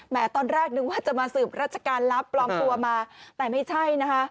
ตอนแรกนึกว่าจะมาสืบราชการลับปลอมตัวมาแต่ไม่ใช่นะคะ